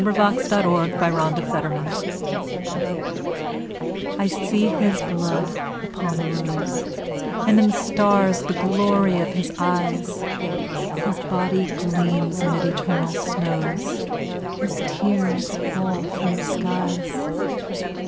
I see His Blood upon the Rose I SEE his blood upon the roseAnd in the stars the glory of his eyes, His body gleams amid eternal snows, His tears fall from the skies.